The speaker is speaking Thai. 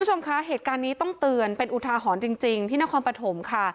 คุณผู้ชมคะเหตุการณ์นี้ต้องเตือนเป็นอุทาหรณ์จริงที่นครปฐมค่ะ